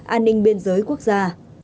an ninh biên giới quốc gia